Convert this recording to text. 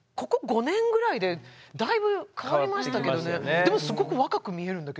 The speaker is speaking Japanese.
でもすごく若く見えるんだけどね。